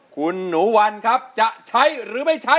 คุณหนูวันครับจะใช้หรือไม่ใช้